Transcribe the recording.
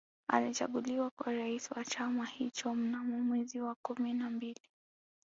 Alichaguliwa kuwa Rais wa chama hicho Mnamo mwezi wa kumi na mbili